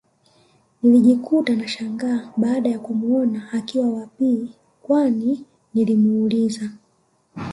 Nilijikuta nashangaa baada ya kumuona ulikuwa wapii kwanii nilimuuliza